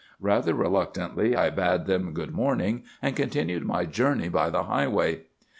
Rather reluctantly I bade them good morning and continued my journey by the highway.